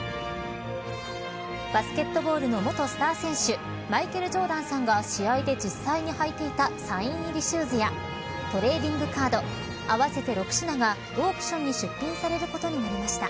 バスケットボールの元スター選手マイケル・ジョーダンさんが試合で実際に履いていたサイン入りシューズやトレーディングカード合わせて６品がオークションに出品されることになりました。